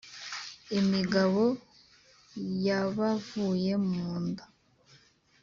imigabo yabavuye mu nda.